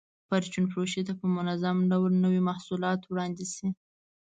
پرچون فروشۍ ته په منظم ډول نوي محصولات وړاندې شي.